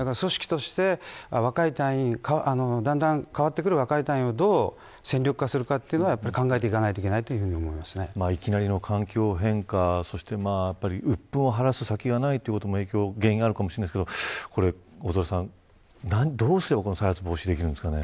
組織としてだんだん変わってくる若い隊員をどう戦力化するかというのは考えていかないといけないいきなりの環境変化、そしてうっぷんを晴らす先がないということも原因なのかもしれないですが大空さん、どうすれば再発防止できるんですかね。